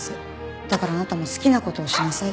「だからあなたも好きな事をしなさい」って。